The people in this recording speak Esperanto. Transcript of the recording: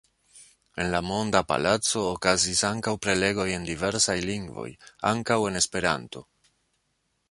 En la Monda Palaco okazis ankaŭ prelegoj en diversaj lingvoj, ankaŭ en Esperanto.